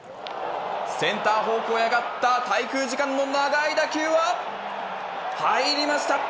センター方向へ上がった滞空時間の長い打球は、入りました。